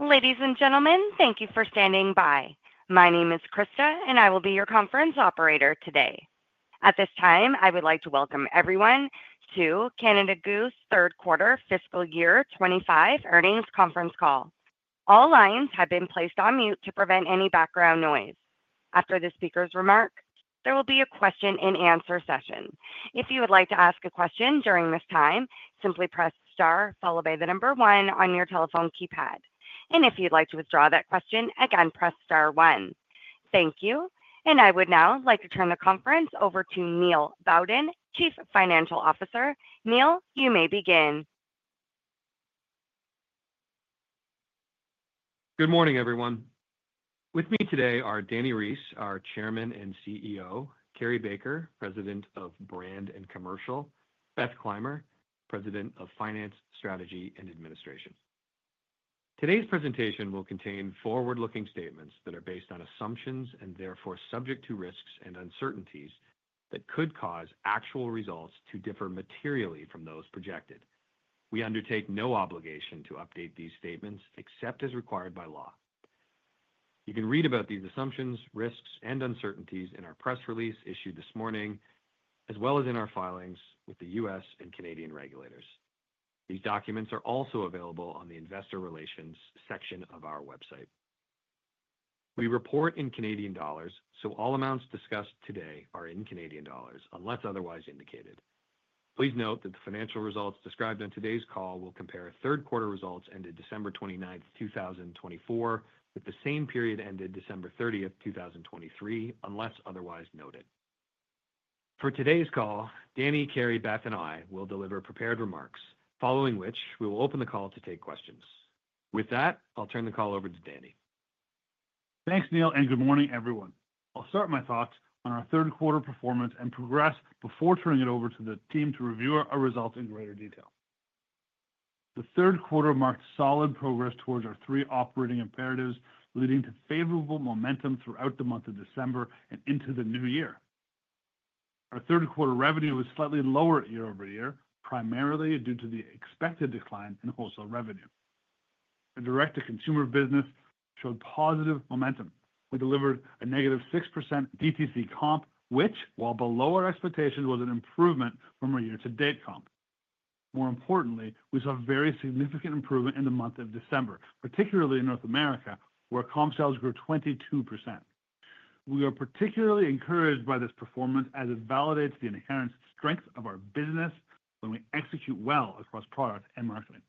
Ladies and gentlemen, thank you for standing by. My name is Krista, and I will be your conference operator today. At this time, I would like to welcome everyone to Canada Goose Third Quarter Fiscal Year '25 earnings conference call. All lines have been placed on mute to prevent any background noise. After the speaker's remark, there will be a question-and-answer session. If you would like to ask a question during this time, simply press star, followed by the number one on your telephone keypad. And if you'd like to withdraw that question, again, press star one. Thank you. And I would now like to turn the conference over to Neil Bowden, Chief Financial Officer. Neil, you may begin. Good morning, everyone. With me today are Dani Reiss, our Chairman and CEO, Carrie Baker, President of Brand and Commercial, Beth Clymer, President of Finance, Strategy, and Administration. Today's presentation will contain forward-looking statements that are based on assumptions and therefore subject to risks and uncertainties that could cause actual results to differ materially from those projected. We undertake no obligation to update these statements except as required by law. You can read about these assumptions, risks, and uncertainties in our press release issued this morning, as well as in our filings with the U.S. and Canadian regulators. These documents are also available on the Investor Relations section of our website. We report in Canadian dollars, so all amounts discussed today are in Canadian dollars unless otherwise indicated. Please note that the financial results described on today's call will compare third-quarter results ended December 29, 2024, with the same period ended December 30, 2023, unless otherwise noted. For today's call, Dani, Carrie, Beth, and I will deliver prepared remarks, following which we will open the call to take questions. With that, I'll turn the call over to Dani. Thanks, Neil, and good morning, everyone. I'll start my thoughts on our third-quarter performance and progress before turning it over to the team to review our results in greater detail. The third quarter marked solid progress towards our three operating imperatives, leading to favorable momentum throughout the month of December and into the new year. Our third-quarter revenue was slightly lower year-over-year, primarily due to the expected decline in wholesale revenue. Our direct-to-consumer business showed positive momentum. We delivered a negative 6% DTC comp, which, while below our expectations, was an improvement from our year-to-date comp. More importantly, we saw a very significant improvement in the month of December, particularly in North America, where comp sales grew 22%. We are particularly encouraged by this performance as it validates the inherent strength of our business when we execute well across product and marketing.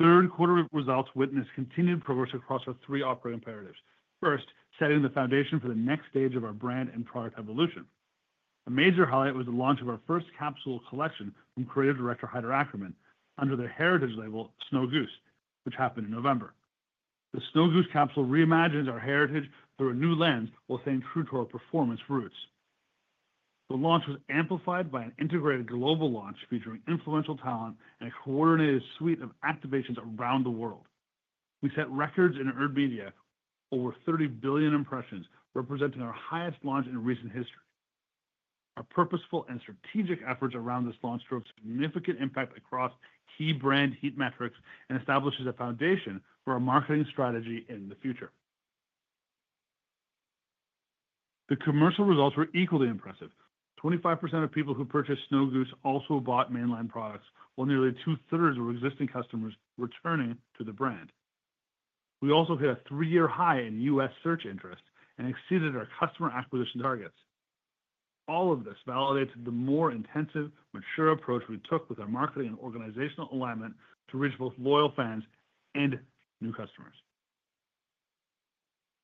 Third-quarter results witnessed continued progress across our three operating imperatives. First, setting the foundation for the next stage of our brand and product evolution. A major highlight was the launch of our first capsule collection from Creative Director Haider Ackermann under the heritage label Snow Goose, which happened in November. The Snow Goose capsule reimagines our heritage through a new lens while staying true to our performance roots. The launch was amplified by an integrated global launch featuring influential talent and a coordinated suite of activations around the world. We set records in earned media, over 30 billion impressions, representing our highest launch in recent history. Our purposeful and strategic efforts around this launch drove significant impact across key brand heat metrics and establishes a foundation for our marketing strategy in the future. The commercial results were equally impressive. 25% of people who purchased Snow Goose also bought mainline products, while nearly two-thirds were existing customers returning to the brand. We also hit a three-year high in U.S. search interest and exceeded our customer acquisition targets. All of this validates the more intensive, mature approach we took with our marketing and organizational alignment to reach both loyal fans and new customers.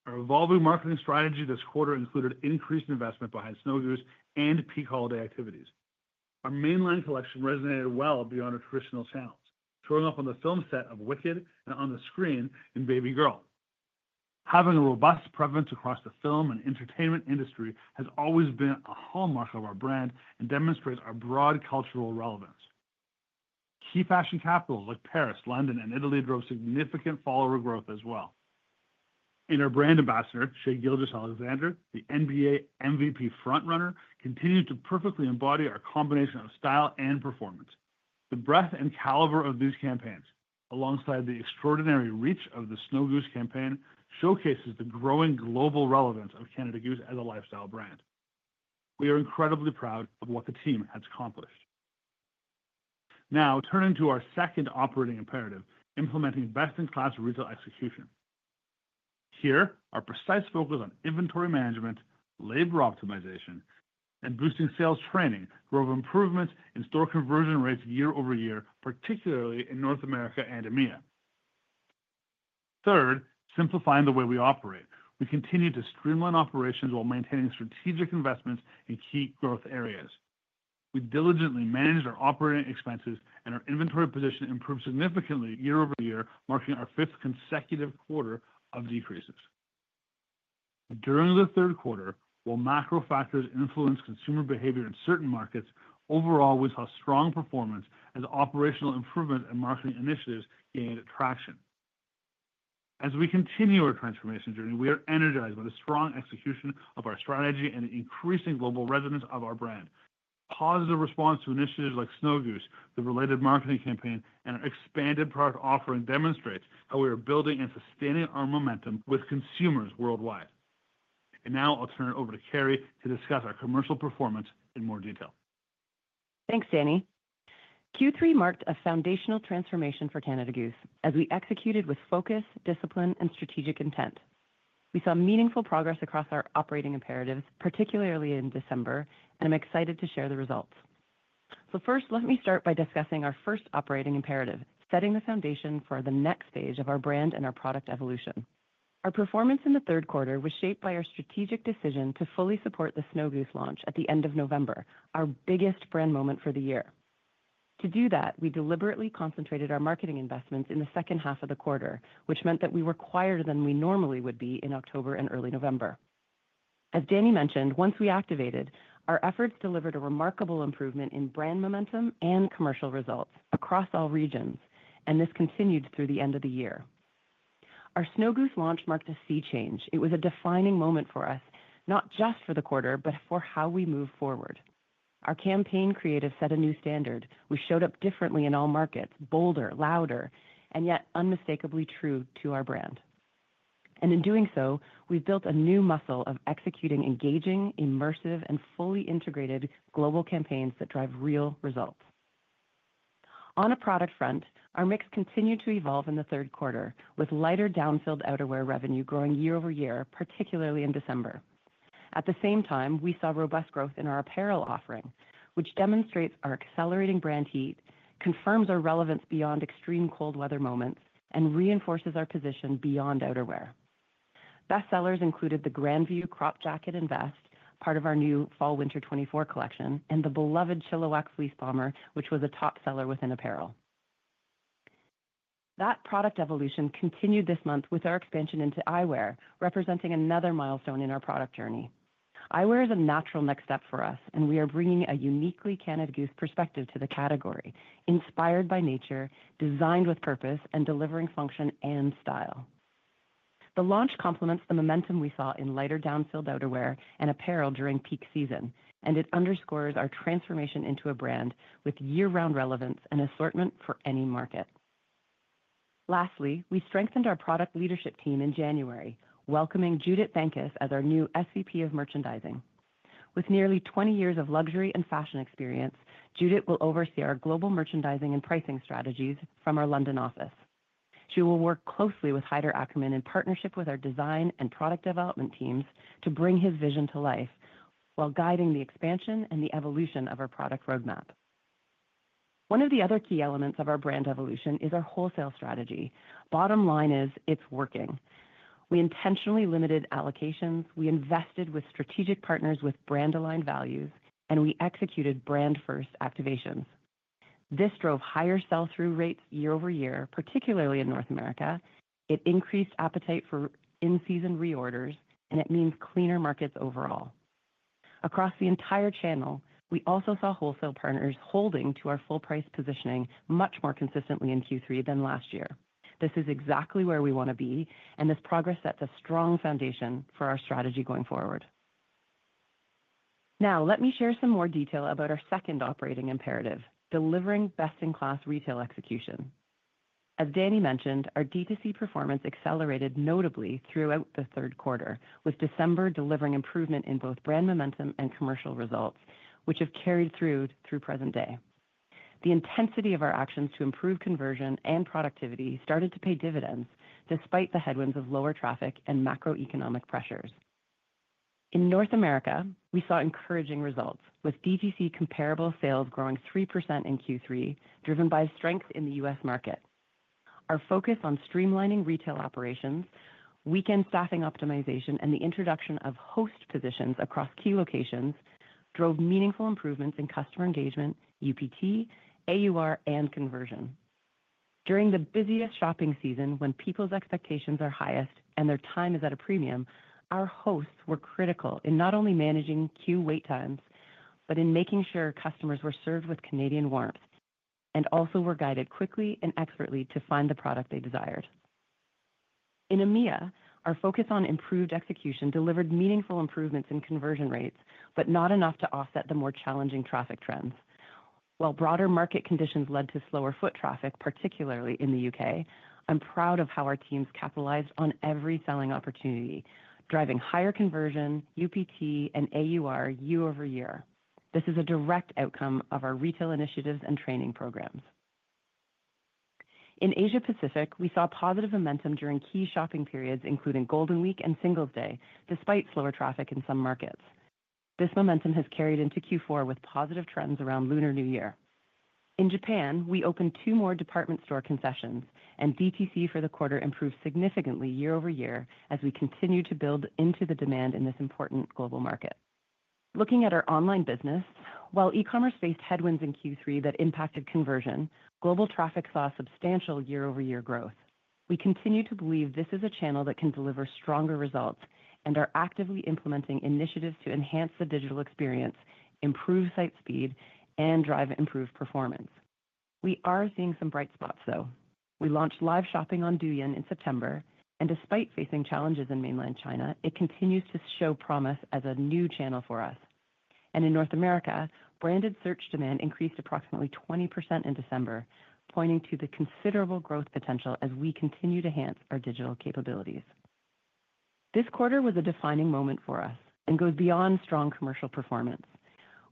Our evolving marketing strategy this quarter included increased investment behind Snow Goose and peak holiday activities. Our mainline collection resonated well beyond our traditional channels, showing up on the film set of Wicked and on the screen in Babygirl. Having a robust preference across the film and entertainment industry has always been a hallmark of our brand and demonstrates our broad cultural relevance. Key fashion capitals like Paris, London, and Italy drove significant follower growth as well. In our brand ambassador, Shai Gilgeous-Alexander, the NBA MVP front-runner, continues to perfectly embody our combination of style and performance. The breadth and caliber of these campaigns, alongside the extraordinary reach of the Snow Goose campaign, showcases the growing global relevance of Canada Goose as a lifestyle brand. We are incredibly proud of what the team has accomplished. Now, turning to our second operating imperative, implementing best-in-class retail execution. Here, our precise focus on inventory management, labor optimization, and boosting sales training drove improvements in store conversion rates year-over-year, particularly in North America and EMEA. Third, simplifying the way we operate. We continue to streamline operations while maintaining strategic investments in key growth areas. We diligently manage our operating expenses, and our inventory position improved significantly year-over-year, marking our fifth consecutive quarter of decreases. During the third quarter, while macro factors influenced consumer behavior in certain markets, overall, we saw strong performance as operational improvements and marketing initiatives gained traction. As we continue our transformation journey, we are energized by the strong execution of our strategy and the increasing global resonance of our brand. Positive response to initiatives like Snow Goose, the related marketing campaign, and our expanded product offering demonstrates how we are building and sustaining our momentum with consumers worldwide. And now, I'll turn it over to Carrie to discuss our commercial performance in more detail. Thanks, Dani. Q3 marked a foundational transformation for Canada Goose as we executed with focus, discipline, and strategic intent. We saw meaningful progress across our operating imperatives, particularly in December, and I'm excited to share the results. So first, let me start by discussing our first operating imperative, setting the foundation for the next stage of our brand and our product evolution. Our performance in the third quarter was shaped by our strategic decision to fully support the Snow Goose launch at the end of November, our biggest brand moment for the year. To do that, we deliberately concentrated our marketing investments in the second half of the quarter, which meant that we were quieter than we normally would be in October and early November. As Dani mentioned, once we activated, our efforts delivered a remarkable improvement in brand momentum and commercial results across all regions, and this continued through the end of the year. Our Snow Goose launch marked a sea change. It was a defining moment for us, not just for the quarter, but for how we move forward. Our campaign creative set a new standard. We showed up differently in all markets, bolder, louder, and yet unmistakably true to our brand, and in doing so, we've built a new muscle of executing engaging, immersive, and fully integrated global campaigns that drive real results. On a product front, our mix continued to evolve in the third quarter, with lighter down-filled outerwear revenue growing year-over-year, particularly in December. At the same time, we saw robust growth in our apparel offering, which demonstrates our accelerating brand heat, confirms our relevance beyond extreme cold weather moments, and reinforces our position beyond outerwear. Best sellers included the Grandview Cropped Jacket and Vest, part of our new Fall/Winter '24 collection, and the beloved Chilliwack Fleece Bomber, which was a top seller within apparel. That product evolution continued this month with our expansion into eyewear, representing another milestone in our product journey. Eyewear is a natural next step for us, and we are bringing a uniquely Canada Goose perspective to the category, inspired by nature, designed with purpose, and delivering function and style. The launch complements the momentum we saw in lighter down-filled outerwear and apparel during peak season, and it underscores our transformation into a brand with year-round relevance and assortment for any market. Lastly, we strengthened our product leadership team in January, welcoming Judit Bankus as our new SVP of Merchandising. With nearly 20 years of luxury and fashion experience, Judit will oversee our global merchandising and pricing strategies from our London office. She will work closely with Haider Ackermann in partnership with our design and product development teams to bring his vision to life while guiding the expansion and the evolution of our product roadmap. One of the other key elements of our brand evolution is our wholesale strategy. Bottom line is it's working. We intentionally limited allocations. We invested with strategic partners with brand-aligned values, and we executed brand-first activations. This drove higher sell-through rates year-over-year, particularly in North America. It increased appetite for in-season reorders, and it means cleaner markets overall. Across the entire channel, we also saw wholesale partners holding to our full-price positioning much more consistently in Q3 than last year. This is exactly where we want to be, and this progress sets a strong foundation for our strategy going forward. Now, let me share some more detail about our second operating imperative: delivering best-in-class retail execution. As Dani mentioned, our DTC performance accelerated notably throughout the third quarter, with December delivering improvement in both brand momentum and commercial results, which have carried through present day. The intensity of our actions to improve conversion and productivity started to pay dividends despite the headwinds of lower traffic and macroeconomic pressures. In North America, we saw encouraging results, with DTC comparable sales growing 3% in Q3, driven by strength in the U.S. market. Our focus on streamlining retail operations, weekend staffing optimization, and the introduction of host positions across key locations drove meaningful improvements in customer engagement, UPT, AUR, and conversion. During the busiest shopping season, when people's expectations are highest and their time is at a premium, our hosts were critical in not only managing queue wait times, but in making sure customers were served with Canadian warmth and also were guided quickly and expertly to find the product they desired. In EMEA, our focus on improved execution delivered meaningful improvements in conversion rates, but not enough to offset the more challenging traffic trends. While broader market conditions led to slower foot traffic, particularly in the U.K., I'm proud of how our teams capitalized on every selling opportunity, driving higher conversion, UPT, and AUR year-over-year. This is a direct outcome of our retail initiatives and training programs. In Asia-Pacific, we saw positive momentum during key shopping periods, including Golden Week and Singles Day, despite slower traffic in some markets. This momentum has carried into Q4 with positive trends around Lunar New Year. In Japan, we opened two more department store concessions, and DTC for the quarter improved significantly year-over-year as we continue to build into the demand in this important global market. Looking at our online business, while e-commerce faced headwinds in Q3 that impacted conversion, global traffic saw substantial year-over-year growth. We continue to believe this is a channel that can deliver stronger results and are actively implementing initiatives to enhance the digital experience, improve site speed, and drive improved performance. We are seeing some bright spots, though. We launched live shopping on Douyin in September, and despite facing challenges in Mainland China, it continues to show promise as a new channel for us. And in North America, branded search demand increased approximately 20% in December, pointing to the considerable growth potential as we continue to enhance our digital capabilities. This quarter was a defining moment for us and goes beyond strong commercial performance.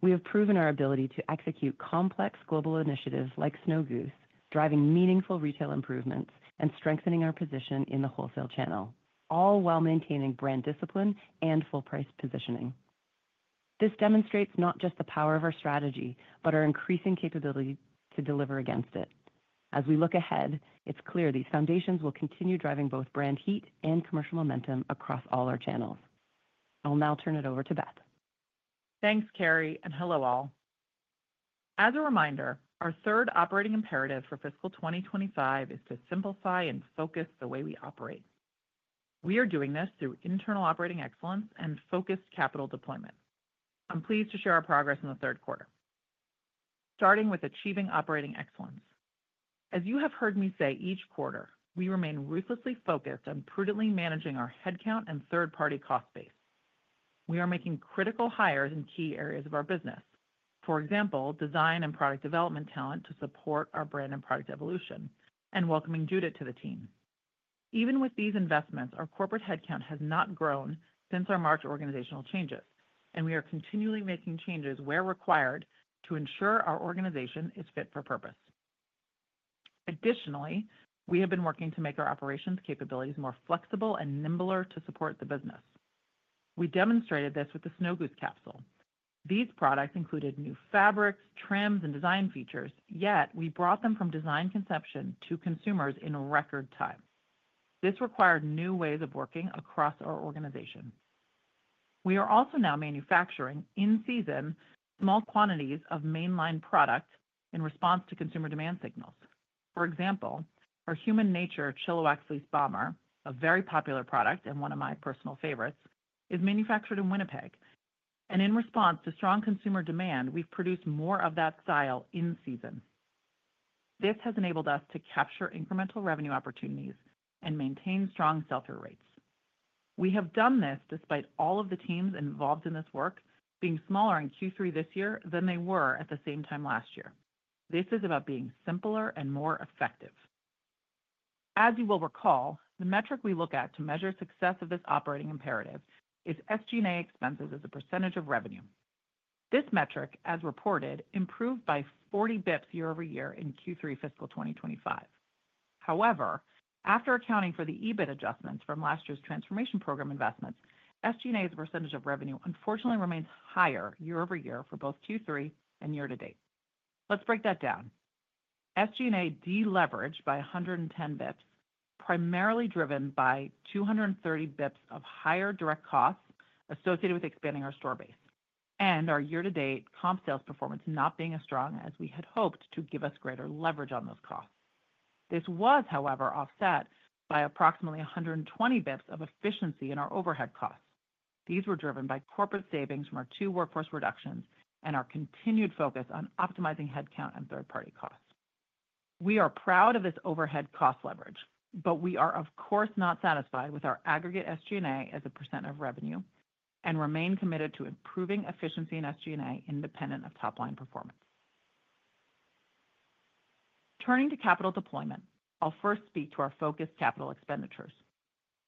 We have proven our ability to execute complex global initiatives like Snow Goose, driving meaningful retail improvements and strengthening our position in the wholesale channel, all while maintaining brand discipline and full-price positioning. This demonstrates not just the power of our strategy, but our increasing capability to deliver against it. As we look ahead, it's clear these foundations will continue driving both brand heat and commercial momentum across all our channels. I'll now turn it over to Beth. Thanks, Carrie, and hello, all. As a reminder, our third operating imperative for fiscal 2025 is to simplify and focus the way we operate. We are doing this through internal operating excellence and focused capital deployment. I'm pleased to share our progress in the third quarter, starting with achieving operating excellence. As you have heard me say each quarter, we remain ruthlessly focused on prudently managing our headcount and third-party cost base. We are making critical hires in key areas of our business, for example, design and product development talent to support our brand and product evolution, and welcoming Judith to the team. Even with these investments, our corporate headcount has not grown since our March organizational changes, and we are continually making changes where required to ensure our organization is fit for purpose. Additionally, we have been working to make our operations capabilities more flexible and nimble to support the business. We demonstrated this with the Snow Goose capsule. These products included new fabrics, trims, and design features, yet we brought them from design conception to consumers in record time. This required new ways of working across our organization. We are also now manufacturing in-season small quantities of mainline product in response to consumer demand signals. For example, our HUMANATURE Chilliwack Fleece Bomber, a very popular product and one of my personal favorites, is manufactured in Winnipeg, and in response to strong consumer demand, we've produced more of that style in season. This has enabled us to capture incremental revenue opportunities and maintain strong sell-through rates. We have done this despite all of the teams involved in this work being smaller in Q3 this year than they were at the same time last year. This is about being simpler and more effective. As you will recall, the metric we look at to measure success of this operating imperative is SG&A expenses as a percentage of revenue. This metric, as reported, improved by 40 basis points year-over-year in Q3 fiscal 2025. However, after accounting for the EBIT adjustments from last year's transformation program investments, SG&A's percentage of revenue unfortunately remains higher year-over-year for both Q3 and year-to-date. Let's break that down. SG&A deleveraged by 110 basis points, primarily driven by 230 basis points of higher direct costs associated with expanding our store base and our year-to-date comp sales performance not being as strong as we had hoped to give us greater leverage on those costs. This was, however, offset by approximately 120 basis points of efficiency in our overhead costs. These were driven by corporate savings from our two workforce reductions and our continued focus on optimizing headcount and third-party costs. We are proud of this overhead cost leverage, but we are, of course, not satisfied with our aggregate SG&A as a percent of revenue and remain committed to improving efficiency in SG&A independent of top-line performance. Turning to capital deployment, I'll first speak to our focused capital expenditures.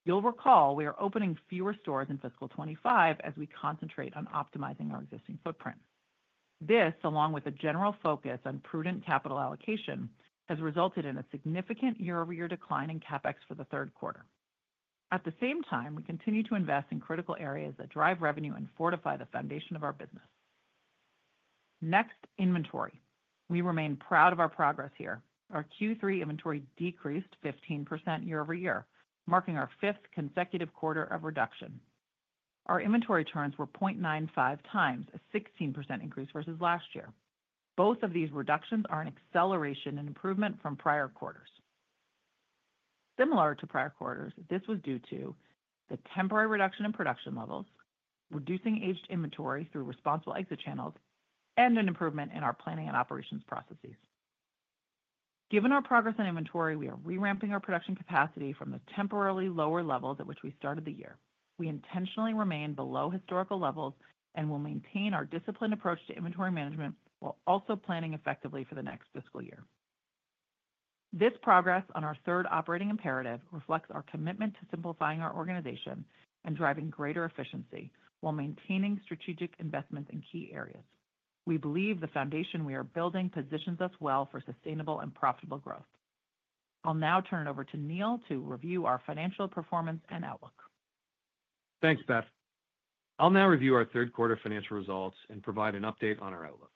You'll recall we are opening fewer stores in fiscal 25 as we concentrate on optimizing our existing footprint. This, along with a general focus on prudent capital allocation, has resulted in a significant year-over-year decline in CapEx for the third quarter. At the same time, we continue to invest in critical areas that drive revenue and fortify the foundation of our business. Next, inventory. We remain proud of our progress here. Our Q3 inventory decreased 15% year-over-year, marking our fifth consecutive quarter of reduction. Our inventory turns were 0.95 times, a 16% increase versus last year. Both of these reductions are an acceleration and improvement from prior quarters. Similar to prior quarters, this was due to the temporary reduction in production levels, reducing aged inventory through responsible exit channels, and an improvement in our planning and operations processes. Given our progress in inventory, we are reramping our production capacity from the temporarily lower levels at which we started the year. We intentionally remain below historical levels and will maintain our disciplined approach to inventory management while also planning effectively for the next fiscal year. This progress on our third operating imperative reflects our commitment to simplifying our organization and driving greater efficiency while maintaining strategic investments in key areas. We believe the foundation we are building positions us well for sustainable and profitable growth. I'll now turn it over to Neil to review our financial performance and outlook. Thanks, Beth. I'll now review our third quarter financial results and provide an update on our outlook.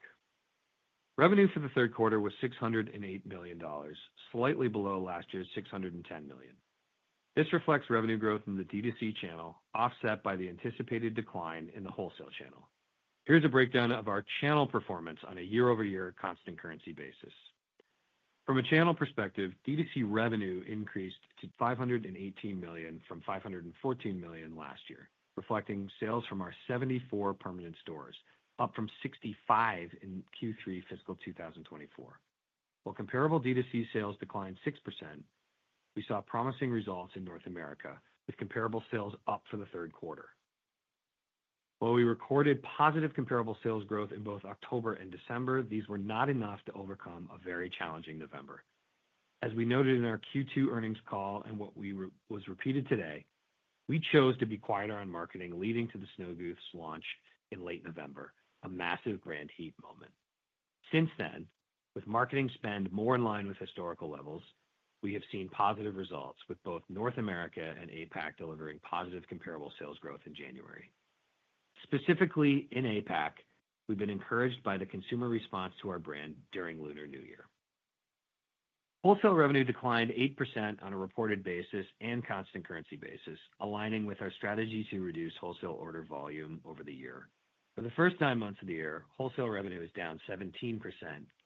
Revenue for the third quarter was 608 million dollars, slightly below last year's 610 million. This reflects revenue growth in the DTC channel, offset by the anticipated decline in the wholesale channel. Here's a breakdown of our channel performance on a year-over-year constant currency basis. From a channel perspective, DTC revenue increased to 518 million from 514 million last year, reflecting sales from our 74 permanent stores, up from 65 in Q3 fiscal 2024. While comparable DTC sales declined 6%, we saw promising results in North America, with comparable sales up for the third quarter. While we recorded positive comparable sales growth in both October and December, these were not enough to overcome a very challenging November. As we noted in our Q2 earnings call and what was repeated today, we chose to be quieter on marketing leading to the Snow Goose launch in late November, a massive brand heat moment. Since then, with marketing spend more in line with historical levels, we have seen positive results with both North America and APAC delivering positive comparable sales growth in January. Specifically in APAC, we've been encouraged by the consumer response to our brand during Lunar New Year. Wholesale revenue declined 8% on a reported basis and constant currency basis, aligning with our strategy to reduce wholesale order volume over the year. For the first nine months of the year, wholesale revenue is down 17%,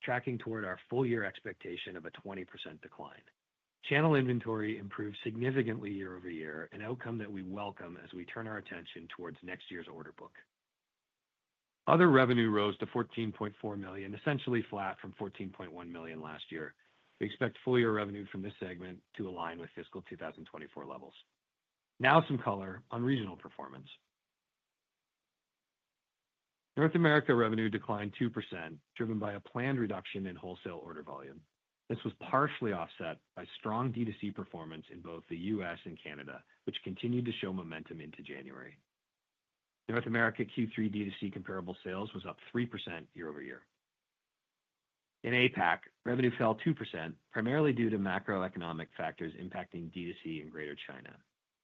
tracking toward our full-year expectation of a 20% decline. Channel inventory improved significantly year-over-year, an outcome that we welcome as we turn our attention towards next year's order book. Other revenue rose to $14.4 million, essentially flat from $14.1 million last year. We expect full-year revenue from this segment to align with fiscal 2024 levels. Now some color on regional performance. North America revenue declined 2%, driven by a planned reduction in wholesale order volume. This was partially offset by strong DTC performance in both the U.S. and Canada, which continued to show momentum into January. North America Q3 DTC comparable sales was up 3% year-over-year. In APAC, revenue fell 2%, primarily due to macroeconomic factors impacting DTC in Greater China.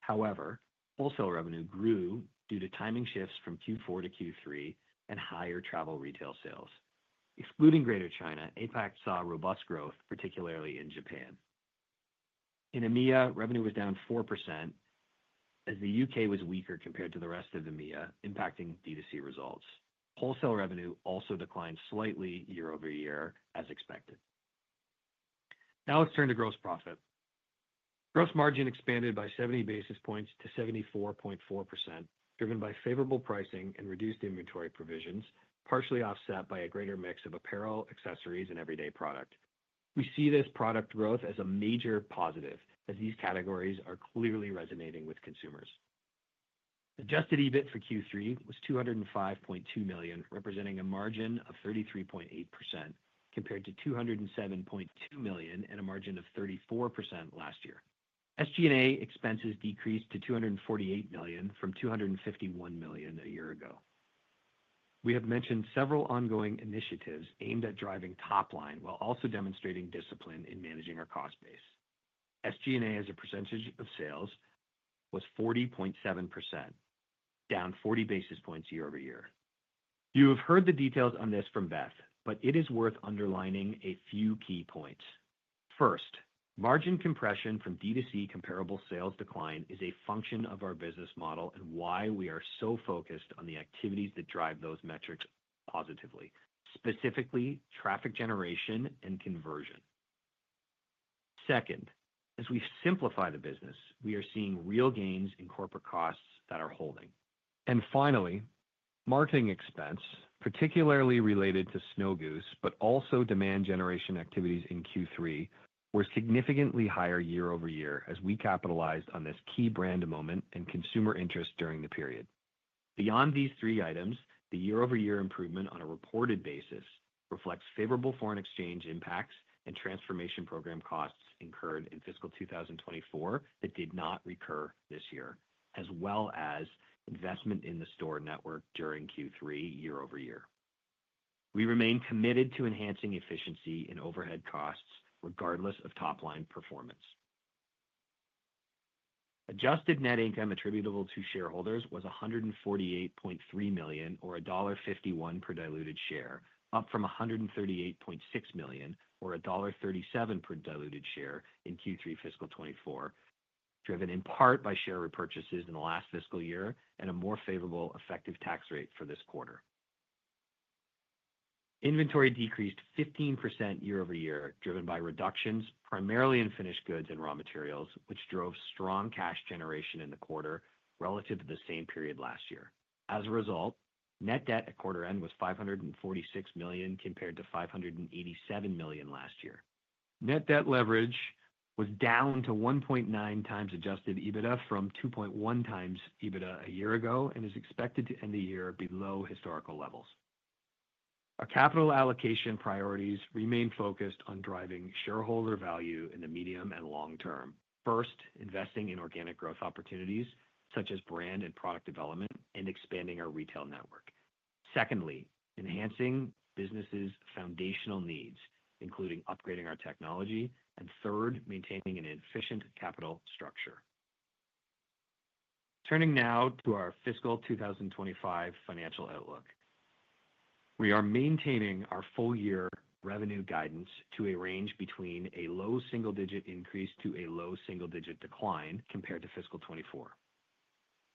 However, wholesale revenue grew due to timing shifts from Q4 to Q3 and higher travel retail sales. Excluding Greater China, APAC saw robust growth, particularly in Japan. In EMEA, revenue was down 4% as the U.K. was weaker compared to the rest of EMEA, impacting DTC results. Wholesale revenue also declined slightly year-over-year, as expected. Now let's turn to gross profit. Gross margin expanded by 70 basis points to 74.4%, driven by favorable pricing and reduced inventory provisions, partially offset by a greater mix of apparel, accessories, and everyday product. We see this product growth as a major positive, as these categories are clearly resonating with consumers. Adjusted EBIT for Q3 was 205.2 million, representing a margin of 33.8% compared to 207.2 million and a margin of 34% last year. SG&A expenses decreased to 248 million from 251 million a year ago. We have mentioned several ongoing initiatives aimed at driving top line while also demonstrating discipline in managing our cost base. SG&A as a percentage of sales was 40.7%, down 40 basis points year-over-year. You have heard the details on this from Beth, but it is worth underlining a few key points. First, margin compression from DTC comparable sales decline is a function of our business model and why we are so focused on the activities that drive those metrics positively, specifically traffic generation and conversion. Second, as we simplify the business, we are seeing real gains in corporate costs that are holding, and finally, marketing expense, particularly related to Snow Goose, but also demand generation activities in Q3, were significantly higher year-over-year as we capitalized on this key brand moment and consumer interest during the period. Beyond these three items, the year-over-year improvement on a reported basis reflects favorable foreign exchange impacts and transformation program costs incurred in fiscal 2024 that did not recur this year, as well as investment in the store network during Q3 year-over-year. We remain committed to enhancing efficiency in overhead costs regardless of top-line performance. Adjusted net income attributable to shareholders was 148.3 million or dollar 1.51 per diluted share, up from 138.6 million or dollar 1.37 per diluted share in Q3 fiscal 2024, driven in part by share repurchases in the last fiscal year and a more favorable effective tax rate for this quarter. Inventory decreased 15% year-over-year, driven by reductions primarily in finished goods and raw materials, which drove strong cash generation in the quarter relative to the same period last year. As a result, net debt at quarter-end was 546 million compared to 587 million last year. Net debt leverage was down to 1.9 times Adjusted EBITDA from 2.1 times EBITDA a year ago and is expected to end the year below historical levels. Our capital allocation priorities remain focused on driving shareholder value in the medium and long term, first, investing in organic growth opportunities such as brand and product development and expanding our retail network. Secondly, enhancing businesses' foundational needs, including upgrading our technology, and third, maintaining an efficient capital structure. Turning now to our fiscal 2025 financial outlook. We are maintaining our full-year revenue guidance to a range between a low single-digit increase to a low single-digit decline compared to fiscal 2024.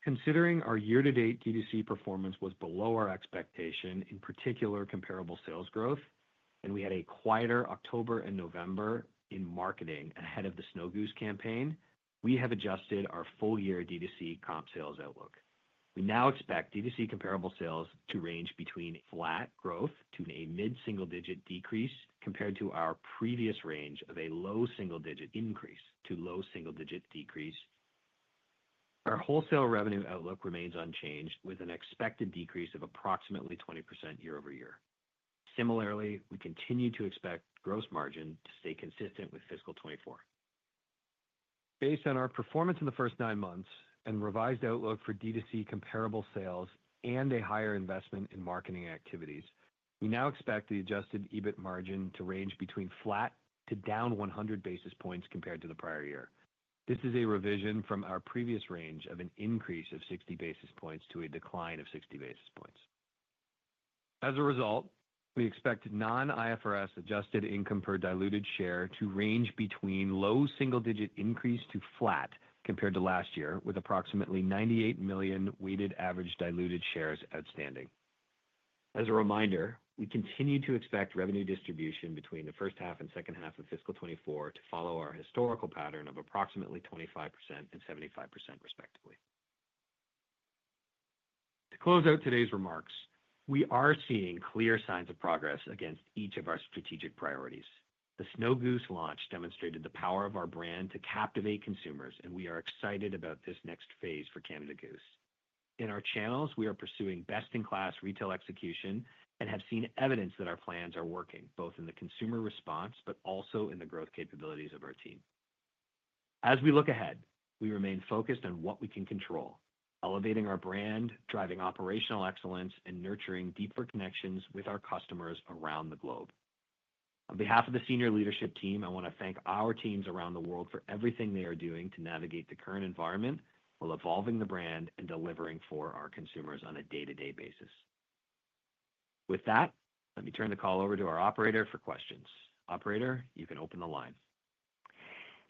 Considering our year-to-date DTC performance was below our expectation, in particular comparable sales growth, and we had a quieter October and November in marketing ahead of the Snow Goose campaign, we have adjusted our full-year DTC comp sales outlook. We now expect DTC comparable sales to range between flat growth to a mid-single-digit decrease compared to our previous range of a low single-digit increase to low single-digit decrease. Our wholesale revenue outlook remains unchanged, with an expected decrease of approximately 20% year-over-year. Similarly, we continue to expect gross margin to stay consistent with fiscal 2024. Based on our performance in the first nine months and revised outlook for DTC comparable sales and a higher investment in marketing activities, we now expect the adjusted EBIT margin to range between flat to down 100 basis points compared to the prior year. This is a revision from our previous range of an increase of 60 basis points to a decline of 60 basis points. As a result, we expect non-IFRS adjusted income per diluted share to range between low single-digit increase to flat compared to last year, with approximately 98 million weighted average diluted shares outstanding. As a reminder, we continue to expect revenue distribution between the first half and second half of fiscal 2024 to follow our historical pattern of approximately 25% and 75%, respectively. To close out today's remarks, we are seeing clear signs of progress against each of our strategic priorities. The Snow Goose launch demonstrated the power of our brand to captivate consumers, and we are excited about this next phase for Canada Goose. In our channels, we are pursuing best-in-class retail execution and have seen evidence that our plans are working, both in the consumer response but also in the growth capabilities of our team. As we look ahead, we remain focused on what we can control, elevating our brand, driving operational excellence, and nurturing deeper connections with our customers around the globe. On behalf of the senior leadership team, I want to thank our teams around the world for everything they are doing to navigate the current environment while evolving the brand and delivering for our consumers on a day-to-day basis. With that, let me turn the call over to our operator for questions. Operator, you can open the line.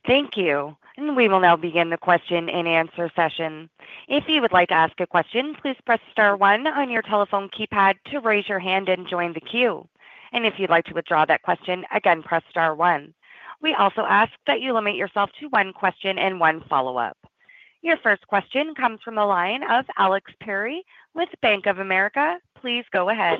Thank you. We will now begin the question and answer session. If you would like to ask a question, please press star one on your telephone keypad to raise your hand and join the queue. And if you'd like to withdraw that question, again, press star one. We also ask that you limit yourself to one question and one follow-up. Your first question comes from the line of Alex Perry with Bank of America. Please go ahead.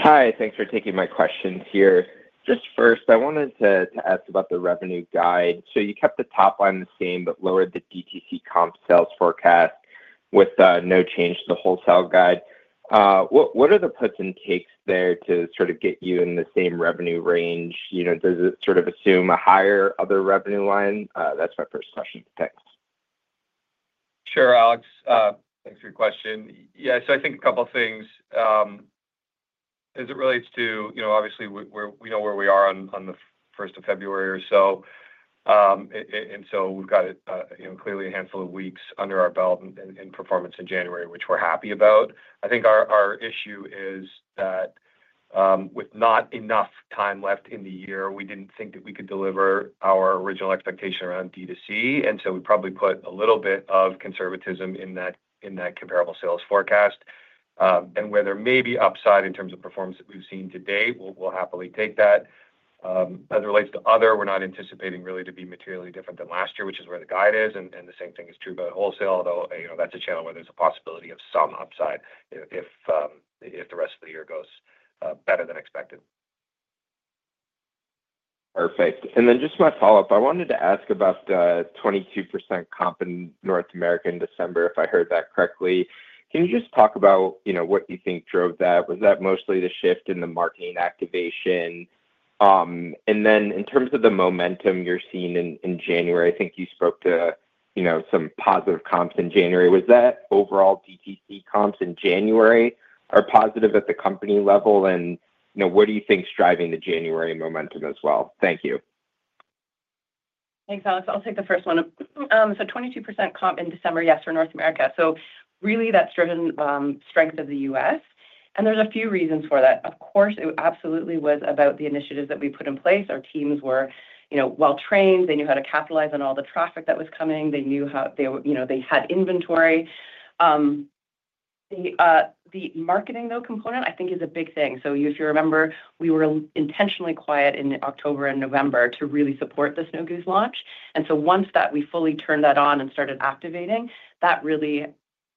Hi. Thanks for taking my questions here. Just first, I wanted to ask about the revenue guide. So you kept the top line the same but lowered the DTC comp sales forecast with no change to the wholesale guide. What are the puts and takes there to sort of get you in the same revenue range? Does it sort of assume a higher other revenue line? That's my first question. Thanks. Sure, Alex. Thanks for your question. Yeah. So I think a couple of things as it relates to, obviously, we know where we are on the 1st of February or so. And so we've got clearly a handful of weeks under our belt in performance in January, which we're happy about. I think our issue is that with not enough time left in the year, we didn't think that we could deliver our original expectation around DTC. And so we probably put a little bit of conservatism in that comparable sales forecast. And where there may be upside in terms of performance that we've seen today, we'll happily take that. As it relates to other, we're not anticipating really to be materially different than last year, which is where the guide is. The same thing is true about wholesale, although that's a channel where there's a possibility of some upside if the rest of the year goes better than expected. Perfect. And then just my follow-up, I wanted to ask about the 22% comp in North America in December, if I heard that correctly. Can you just talk about what you think drove that? Was that mostly the shift in the marketing activation? And then in terms of the momentum you're seeing in January, I think you spoke to some positive comps in January. Was that overall DTC comps in January are positive at the company level? And what do you think's driving the January momentum as well? Thank you. Thanks, Alex. I'll take the first one so 22% comp in December, yes, for North America. Really, that's driven strength of the U.S. And there's a few reasons for that. Of course, it absolutely was about the initiatives that we put in place. Our teams were well-trained. They knew how to capitalize on all the traffic that was coming. They knew how they had inventory. The marketing, though, component, I think, is a big thing. If you remember, we were intentionally quiet in October and November to really support the Snow Goose launch. Once that we fully turned that on and started activating, that really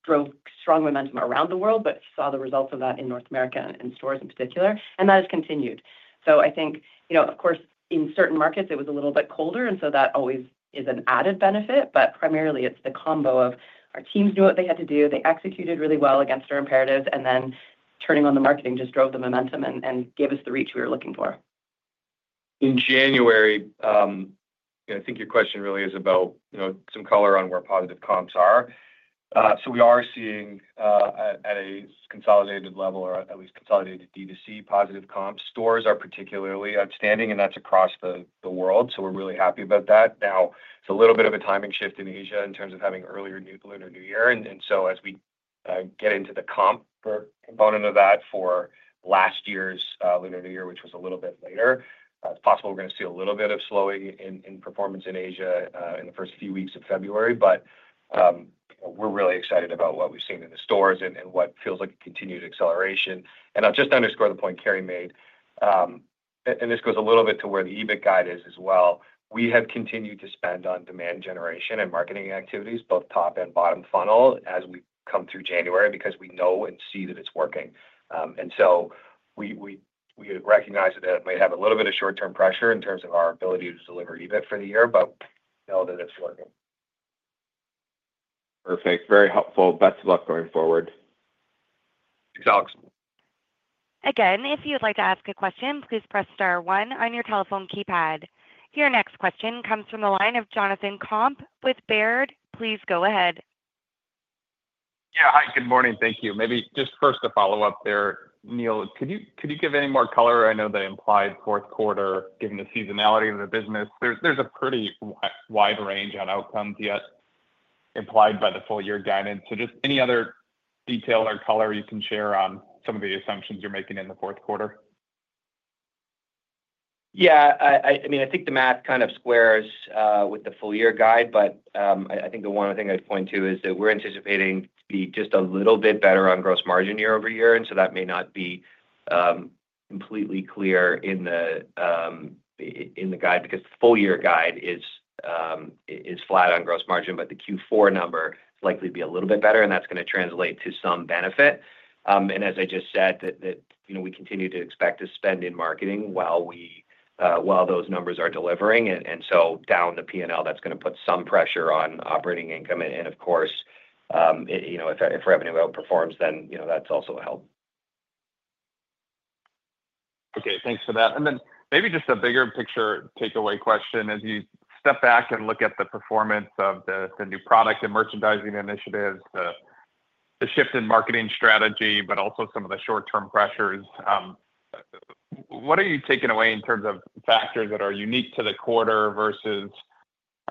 drove strong momentum around the world, but saw the results of that in North America and stores in particular. That has continued. I think, of course, in certain markets, it was a little bit colder. And so that always is an added benefit. But primarily, it's the combo of our teams knew what they had to do. They executed really well against our imperatives. And then turning on the marketing just drove the momentum and gave us the reach we were looking for. In January, I think your question really is about some color on where positive comps are. So we are seeing at a consolidated level or at least consolidated DTC positive comps. Stores are particularly outstanding, and that's across the world. So we're really happy about that. Now, it's a little bit of a timing shift in Asia in terms of having earlier Lunar New Year. And so as we get into the comp component of that for last year's Lunar New Year, which was a little bit later, it's possible we're going to see a little bit of slowing in performance in Asia in the first few weeks of February. But we're really excited about what we've seen in the stores and what feels like a continued acceleration. And I'll just underscore the point Carrie made. And this goes a little bit to where the EBIT guide is as well. We have continued to spend on demand generation and marketing activities, both top and bottom funnel, as we come through January because we know and see that it's working. And so we recognize that it may have a little bit of short-term pressure in terms of our ability to deliver EBIT for the year, but know that it's working. Perfect. Very helpful. Best of luck going forward. Thanks, Alex. Again, if you'd like to ask a question, please press star one on your telephone keypad. Your next question comes from the line of Jonathan Komp with Baird. Please go ahead. Yeah. Hi. Good morning. Thank you. Maybe just first to follow up there, Neil, could you give any more color? I know that implied fourth quarter, given the seasonality of the business, there's a pretty wide range on outcomes yet implied by the full-year guidance. So just any other detail or color you can share on some of the assumptions you're making in the fourth quarter? Yeah. I mean, I think the math kind of squares with the full-year guide, but I think the one thing I'd point to is that we're anticipating to be just a little bit better on gross margin year-over-year. And so that may not be completely clear in the guide because the full-year guide is flat on gross margin, but the Q4 number is likely to be a little bit better. And that's going to translate to some benefit. As I just said, that we continue to expect to spend in marketing while those numbers are delivering. So down the P&L, that's going to put some pressure on operating income. Of course, if revenue outperforms, then that's also a help. Okay. Thanks for that. And then maybe just a bigger picture takeaway question. As you step back and look at the performance of the new product and merchandising initiatives, the shift in marketing strategy, but also some of the short-term pressures, what are you taking away in terms of factors that are unique to the quarter versus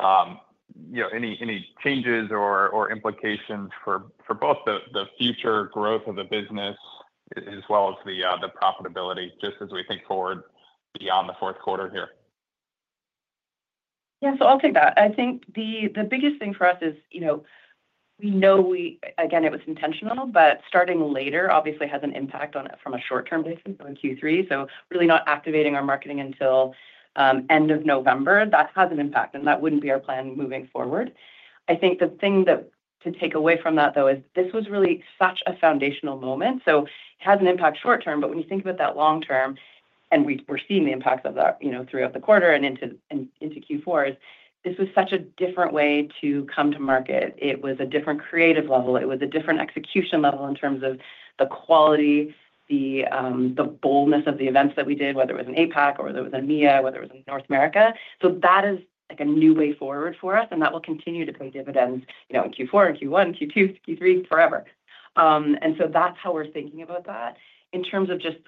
any changes or implications for both the future growth of the business as well as the profitability just as we think forward beyond the fourth quarter here? Yeah. So I'll take that. I think the biggest thing for us is we know, again, it was intentional, but starting later, obviously, has an impact on it from a short-term basis on Q3. So really not activating our marketing until end of November, that has an impact. And that wouldn't be our plan moving forward. I think the thing to take away from that, though, is this was really such a foundational moment. So it has an impact short-term. But when you think about that long-term, and we're seeing the impacts of that throughout the quarter and into Q4s, this was such a different way to come to market. It was a different creative level. It was a different execution level in terms of the quality, the boldness of the events that we did, whether it was an APAC or whether it was an EMEA, whether it was in North America. So that is a new way forward for us. And that will continue to pay dividends in Q4 and Q1, Q2, Q3, forever. And so that's how we're thinking about that. In terms of just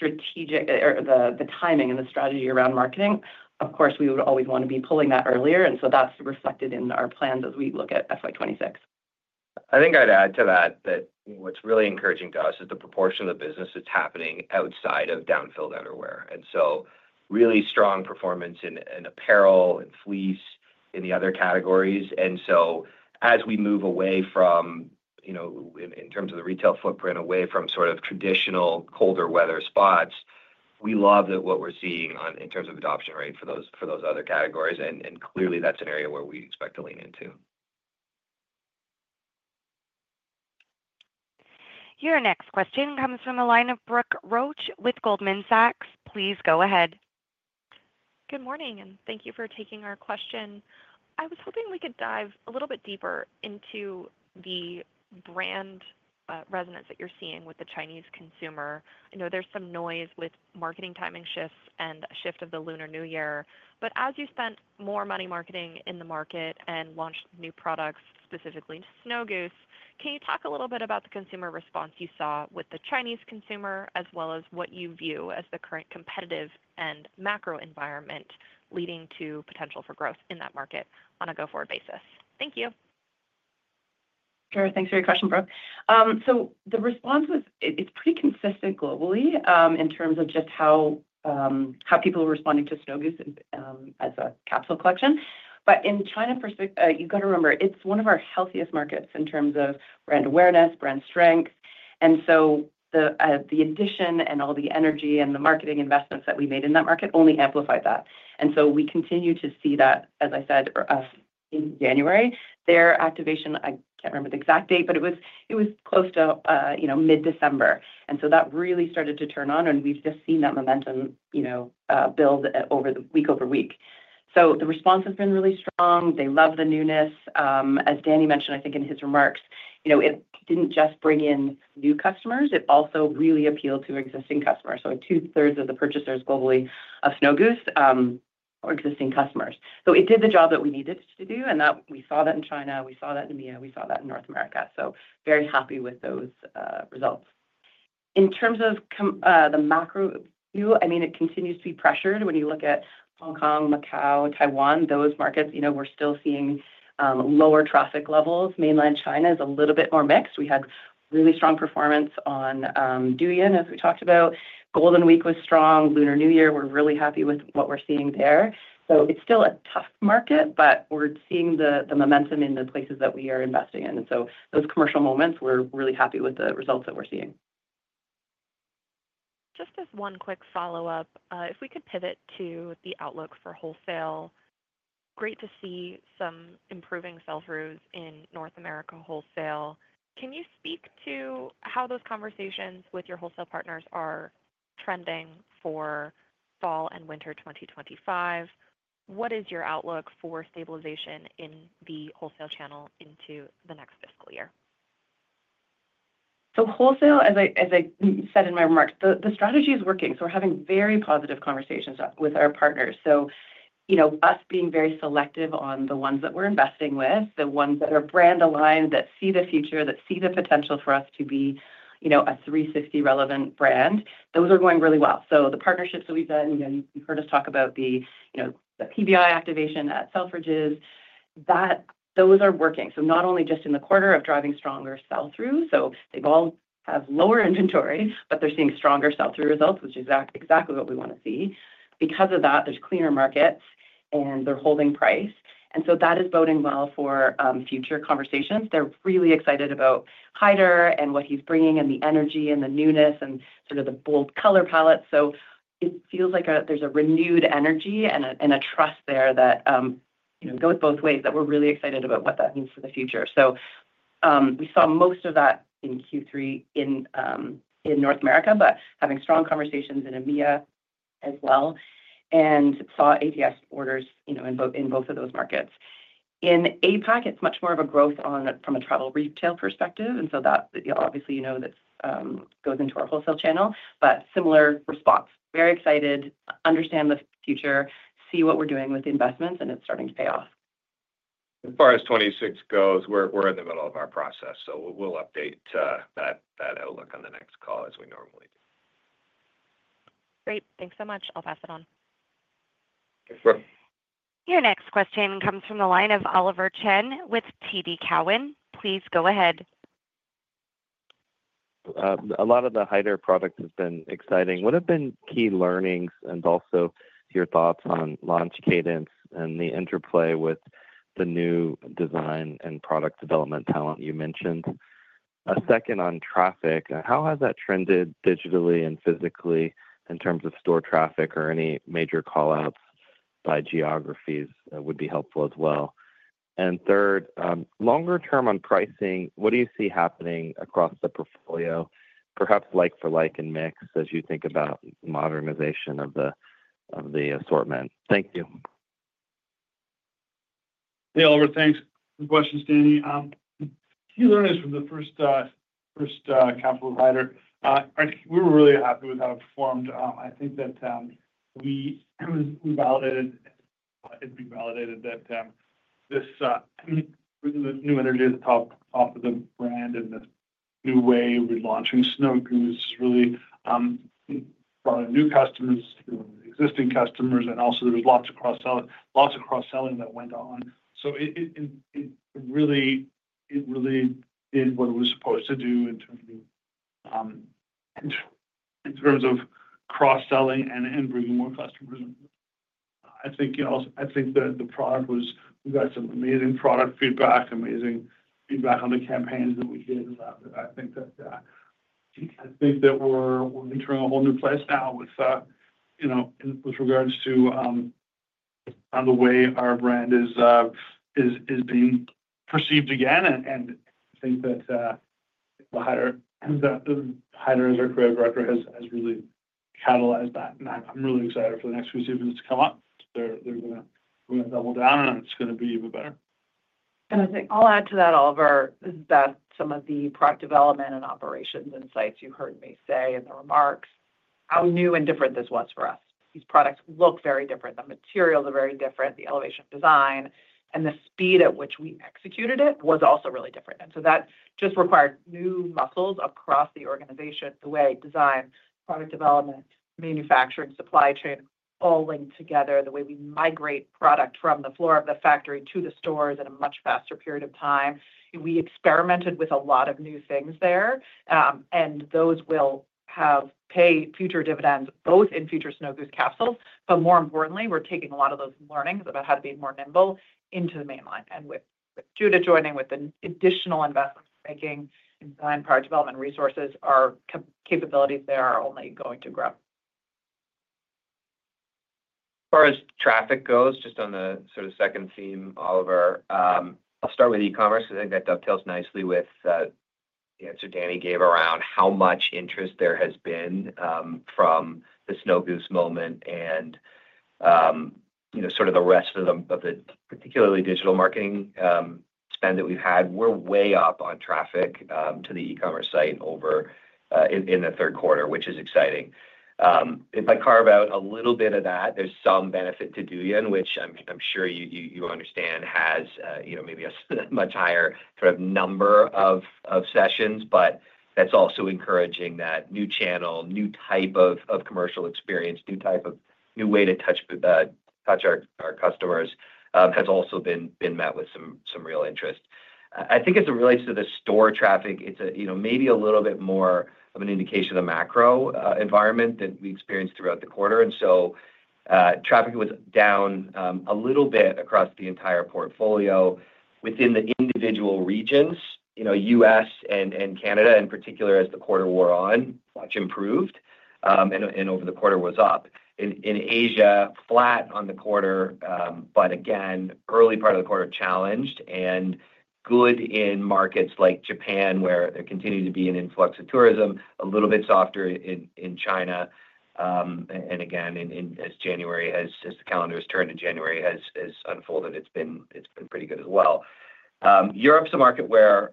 the timing and the strategy around marketing, of course, we would always want to be pulling that earlier. And so that's reflected in our plans as we look at FY 2026. I think I'd add to that that what's really encouraging to us is the proportion of the business that's happening outside of down-filled outerwear. And so really strong performance in apparel and fleece in the other categories. And so as we move away from, in terms of the retail footprint, away from sort of traditional colder weather spots, we love that what we're seeing in terms of adoption rate for those other categories. And clearly, that's an area where we expect to lean into. Your next question comes from the line of Brooke Roach with Goldman Sachs. Please go ahead. Good morning. And thank you for taking our question. I was hoping we could dive a little bit deeper into the brand resonance that you're seeing with the Chinese consumer. I know there's some noise with marketing timing shifts and a shift of the Lunar New Year. But as you spent more money marketing in the market and launched new products, specifically Snow Goose, can you talk a little bit about the consumer response you saw with the Chinese consumer as well as what you view as the current competitive and macro environment leading to potential for growth in that market on a go-forward basis? Thank you. Sure. Thanks for your question, Brooke. So the response was, it's pretty consistent globally in terms of just how people are responding to Snow Goose as a capsule collection. But in China, you've got to remember, it's one of our healthiest markets in terms of brand awareness, brand strength. And so the addition and all the energy and the marketing investments that we made in that market only amplified that. And so we continue to see that, as I said, in January. Their activation, I can't remember the exact date, but it was close to mid-December. And so that really started to turn on. And we've just seen that momentum build over the week over week. So the response has been really strong. They love the newness. As Dani mentioned, I think in his remarks, it didn't just bring in new customers. It also really appealed to existing customers. So two-thirds of the purchasers globally of Snow Goose are existing customers. So it did the job that we needed to do. And we saw that in China. We saw that in EMEA. We saw that in North America. So very happy with those results. In terms of the macro view, I mean, it continues to be pressured. When you look at Hong Kong, Macau, Taiwan, those markets, we're still seeing lower traffic levels. Mainland China is a little bit more mixed. We had really strong performance on Douyin, as we talked about. Golden Week was strong. Lunar New Year, we're really happy with what we're seeing there. So it's still a tough market, but we're seeing the momentum in the places that we are investing in. And so those commercial moments, we're really happy with the results that we're seeing. Just as one quick follow-up, if we could pivot to the outlook for wholesale, great to see some improving sales trends in North America wholesale. Can you speak to how those conversations with your wholesale partners are trending for fall and winter 2025? What is your outlook for stabilization in the wholesale channel into the next fiscal year? So wholesale, as I said in my remarks, the strategy is working. So we're having very positive conversations with our partners. So us being very selective on the ones that we're investing with, the ones that are brand aligned, that see the future, that see the potential for us to be a 360 relevant brand, those are going really well. So the partnerships that we've done, you've heard us talk about the PBI activation at Selfridges, those are working. So not only just in the quarter of driving stronger sell-through. So they all have lower inventory, but they're seeing stronger sell-through results, which is exactly what we want to see. Because of that, there's cleaner markets, and they're holding price. And so that is boding well for future conversations. They're really excited about Haider and what he's bringing and the energy and the newness and sort of the bold color palette, so it feels like there's a renewed energy and a trust there that goes both ways, that we're really excited about what that means for the future, so we saw most of that in Q3 in North America, but having strong conversations in EMEA as well and saw ATS orders in both of those markets. In APAC, it's much more of a growth from a travel retail perspective, and so obviously, you know that goes into our wholesale channel, but similar response. Very excited, understand the future, see what we're doing with the investments, and it's starting to pay off. As far as 2026 goes, we're in the middle of our process. So we'll update that outlook on the next call as we normally do. Great. Thanks so much. I'll pass it on. Thanks, Brooke. Your next question comes from the line of Oliver Chen with TD Cowen. Please go ahead. A lot of the Haider product has been exciting. What have been key learnings and also your thoughts on launch cadence and the interplay with the new design and product development talent you mentioned? A second on traffic. How has that trended digitally and physically in terms of store traffic or any major callouts by geographies would be helpful as well? And third, longer term on pricing, what do you see happening across the portfolio, perhaps like-for-like and mix as you think about modernization of the assortment? Thank you. Hey, Oliver, thanks. Good question, Dani. Key learnings from the first capsule with Haider. We were really happy with how it performed. I think that we validated it being that this new energy at the top of the brand and the new way we're launching Snow Goose really brought in new customers, existing customers. And also, there was lots of cross-selling that went on. So it really did what it was supposed to do in terms of cross-selling and bringing more customers. We got some amazing product feedback, amazing feedback on the campaigns that we did. I think that we're entering a whole new place now with regards to the way our brand is being perceived again. And I think that Haider, as our creative director, has really catalyzed that. And I'm really excited for the next few seasons to come up. They're going to double down, and it's going to be even better. And I'll add to that, Oliver, that some of the product development and operations insights you heard me say in the remarks, how new and different this was for us. These products look very different. The materials are very different. The elevation of design and the speed at which we executed it was also really different. And so that just required new muscles across the organization, the way design, product development, manufacturing, supply chain, all linked together, the way we migrate product from the floor of the factory to the stores in a much faster period of time. We experimented with a lot of new things there. And those will pay future dividends, both in future Snow Goose capsules. But more importantly, we're taking a lot of those learnings about how to be more nimble into the mainline. With Judith joining with the additional investments making in design, product development, and resources, our capabilities there are only going to grow. As far as traffic goes, just on the sort of second theme, Oliver, I'll start with e-commerce because I think that dovetails nicely with the answer Dani gave around how much interest there has been from the Snow Goose moment and sort of the rest of the particularly digital marketing spend that we've had. We're way up on traffic to the e-commerce site in the third quarter, which is exciting. If I carve out a little bit of that, there's some benefit to Douyin, which I'm sure you understand has maybe a much higher sort of number of sessions, but that's also encouraging that new channel, new type of commercial experience, new type of way to touch our customers has also been met with some real interest. I think as it relates to the store traffic, it's maybe a little bit more of an indication of the macro environment that we experienced throughout the quarter. So traffic was down a little bit across the entire portfolio within the individual regions, U.S. and Canada in particular, as the quarter wore on, much improved. Over the quarter, it was up. In Asia, flat on the quarter, but again, early part of the quarter challenged and good in markets like Japan where there continued to be an influx of tourism, a little bit softer in China. Again, as January, as the calendar has turned in January has unfolded, it's been pretty good as well. Europe's a market where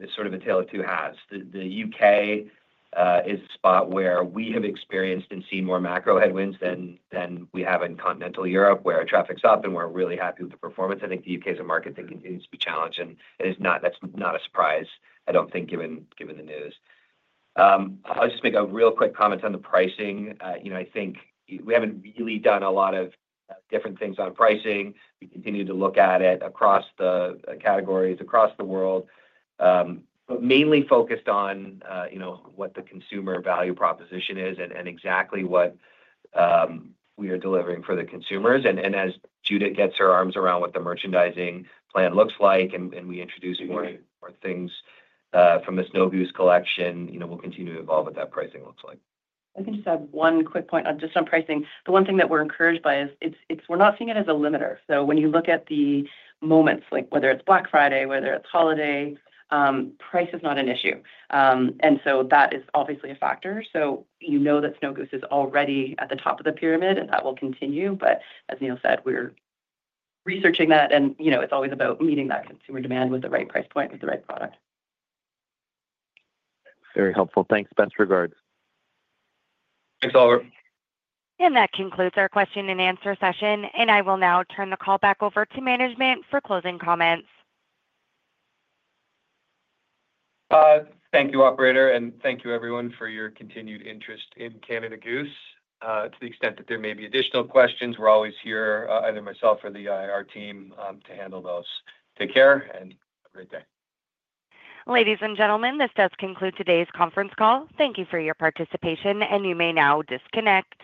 it's sort of a tale of two halves. The U.K. is a spot where we have experienced and seen more macro headwinds than we have in continental Europe, where our traffic's up and we're really happy with the performance. I think the U.K. is a market that continues to be challenged. And that's not a surprise, I don't think, given the news. I'll just make a real quick comment on the pricing. I think we haven't really done a lot of different things on pricing. We continue to look at it across the categories, across the world, but mainly focused on what the consumer value proposition is and exactly what we are delivering for the consumers. And as Judith gets her arms around what the merchandising plan looks like and we introduce more things from the Snow Goose collection, we'll continue to evolve what that pricing looks like. I can just add one quick point just on pricing. The one thing that we're encouraged by is we're not seeing it as a limiter, so when you look at the moments, whether it's Black Friday, whether it's holiday, price is not an issue, and so that is obviously a factor, so you know that Snow Goose is already at the top of the pyramid, and that will continue, but as Neil said, we're researching that, and it's always about meeting that consumer demand with the right price point, with the right product. Very helpful. Thanks, Best regards. Thanks, Oliver. That concludes our question and answer session. I will now turn the call back over to management for closing comments. Thank you, Operator. And thank you, everyone, for your continued interest in Canada Goose. To the extent that there may be additional questions, we're always here, either myself or the IR team, to handle those. Take care and have a great day. Ladies and gentlemen, this does conclude today's conference call. Thank you for your participation, and you may now disconnect.